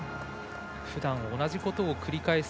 ふだん同じことを繰り返す。